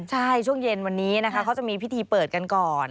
ใช่ช่วงเย็นวันนี้นะคะเขาจะมีพิธีเปิดกันก่อน